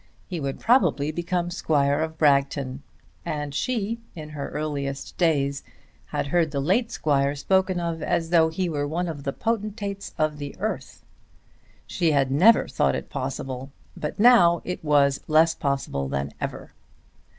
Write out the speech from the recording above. He would probably become Squire of Bragton, and she, in her earliest days, had heard the late Squire spoken of as though he were one of the potentates of the earth. She had never thought it possible; but now it was less possible than ever.